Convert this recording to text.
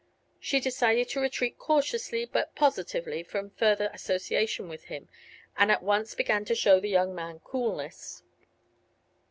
She decided to retreat cautiously but positively from further association with him, and at once began to show the young man coolness.